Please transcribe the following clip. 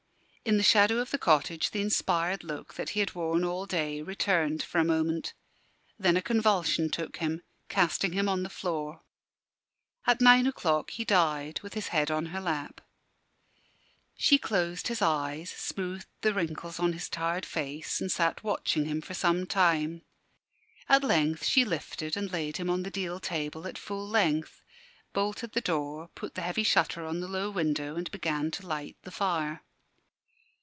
In the shadow of the cottage the inspired look that he had worn all day returned for a moment. Then a convulsion took him, casting him on the floor. At nine o'clock he died, with his head on her lap. She closed his eyes, smoothed the wrinkles on his tired face, and sat watching him for some time. At length she lifted and laid him on the deal table at full length, bolted the door, put the heavy shutter on the low window, and began to light the fire.